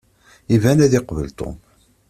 Iban ad yeqbel Tom.